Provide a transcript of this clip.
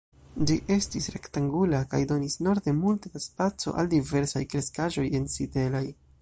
Ĝi estis rektangula kaj donis norde multe da spaco al diversaj kreskaĵoj ensitelaj.